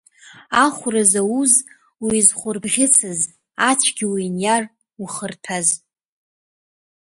Ахәра зауз уизхәрыбӷьыцыз, ацәгьа уиниар ухырҭәаз!